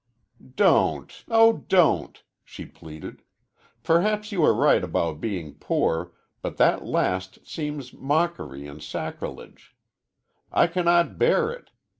"Don't oh, don't!" she pleaded. "Perhaps you are right about being poor, but that last seems mockery and sacrilege I cannot bear it!